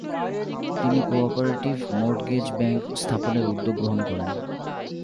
তিনি ‘cooperative mortgage bank’ স্থাপনের উদ্যোগ গ্রহণ করেন।